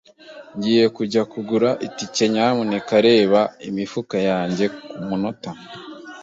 Ngiye kujya kugura itike, nyamuneka reba imifuka yanjye kumunota.